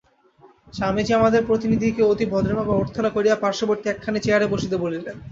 স্বামীজী আমাদের প্রতিনিধিকে অতি ভদ্রভাবে অভ্যর্থনা করিয়া পার্শ্ববর্তী একখানি চেয়ারে বসিতে বলিলেন।